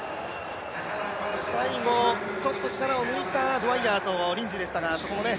最後、ちょっと力を抜いたドウァイヤーとリンジーでしたけど、そこもね。